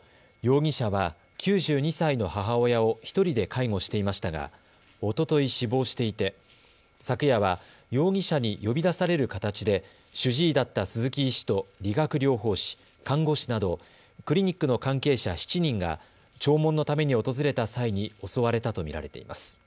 警察などによりますと容疑者は９２歳の母親を１人で介護していましたがおととい死亡していて昨夜は容疑者に呼び出される形で主治医だった鈴木医師と理学療法士、看護師などクリニックの関係者７人が弔問のために訪れた際に襲われたと見られています。